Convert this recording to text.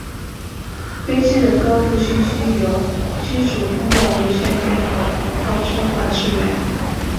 飞机的高度信息由机组通过无线电口头告知管制员。